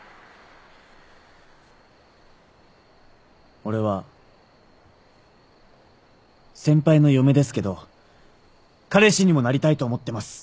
俺は先輩の嫁ですけど彼氏にもなりたいと思ってます。